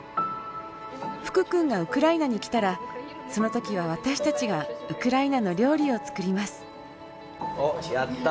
福君がウクライナに来たら、そのときは私たちがウクライナのおっ、やった！